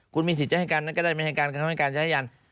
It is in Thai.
คุณมีสิทธิ์จะให้การก็ได้ไม่ให้การก็ไม่ให้การจะให้ยัน